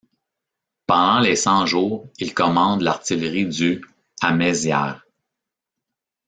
Pendant les Cent-Jours, il commande l'artillerie du à Mézières.